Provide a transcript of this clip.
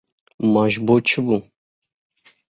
Ma ji bo çi bû?